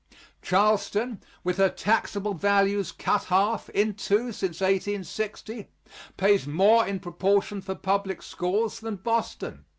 Charleston, with her taxable values cut half in two since 1860, pays more in proportion for public schools than Boston.